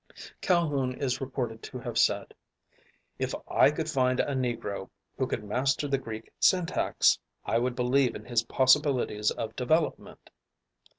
Calhoun is reported to have said, "If I could find a Negro who could master the Greek syntax, I would believe in his possibilities of development."